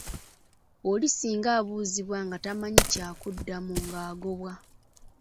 Oli singa abuuzibwa nga tamanyi kya kuddamu ng'agobwa.